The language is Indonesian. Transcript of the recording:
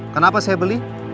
kenapa saya beli